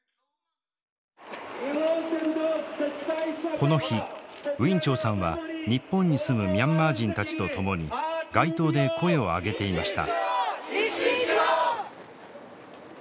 この日ウィン・チョウさんは日本に住むミャンマー人たちと共に街頭で声を上げていました。